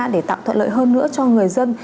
để tạo thuận lợi hơn nữa cho người dân